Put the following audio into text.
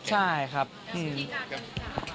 แต่สมัยนี้ไม่ใช่อย่างนั้น